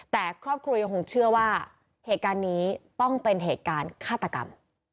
แต่ครอบครัวยังคงเชื่อว่าเหตุการณ์นี้ต้องเป็นเหตุการณ์ฆาตกรรม